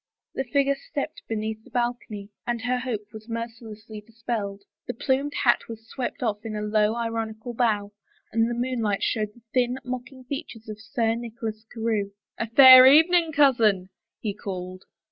The figure stepped beneath the balcony, and her hope was mercilessly dispelled. The plumed hat was swept oflF in a low, ironical bow, and the moonlight showed the thin, mocking features of Sir Nicholas Carewe. "A fair evening, cousin," he called.